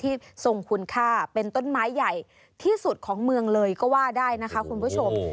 ทรงคุณค่าเป็นต้นไม้ใหญ่ที่สุดของเมืองเลยก็ว่าได้นะคะคุณผู้ชม